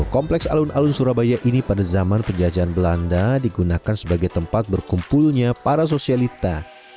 kompleks alun alun surabaya ini pada zaman penjajahan belanda digunakan sebagai tempat berkumpulnya para sosialita